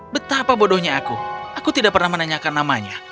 betapa bodohnya aku aku tidak pernah menanyakan namanya